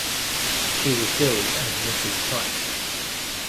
She was billed as Mrs Price.